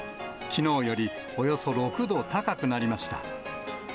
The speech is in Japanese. きのうよりおよそ６度高くなりました。